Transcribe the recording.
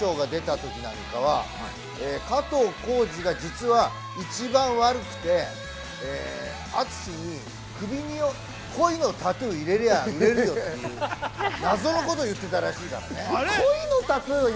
特にロンブーの淳と品庄が出たときなんかは、加藤浩次が実は一番悪くて、淳に首に鯉のタトゥー入れりゃあ売れるよって謎のことを言ってたらしいからね。